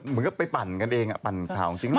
เหมือนกับไปปั่นกันเองปั่นข่าวจริง